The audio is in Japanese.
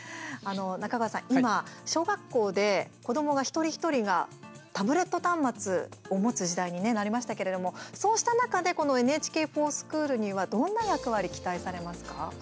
中川さん、今、小学校で子どもが一人一人がタブレット端末を持つ時代になりましたけれどもそうした中で、この「ＮＨＫｆｏｒＳｃｈｏｏｌ」には、どんな役割期待されますか。